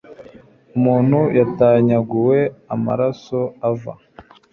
umuntu yatanyaguwe amaraso ava